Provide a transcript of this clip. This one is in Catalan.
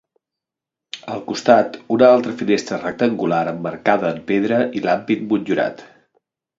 Al costat, una altra finestra rectangular emmarcada en pedra i l'ampit motllurat.